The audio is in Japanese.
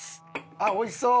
あっおいしそう！